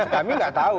kami nggak tahu